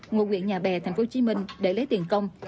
ngụ huyện nhà bè tp hcm để lấy tiền công